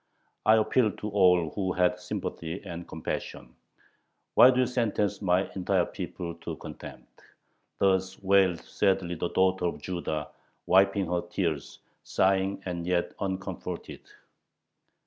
I appeal to all who have sympathy and compassion. Why do you sentence my entire people to contempt? Thus waileth sadly the daughter of Judah, wiping her tears, sighing and yet uncomforted.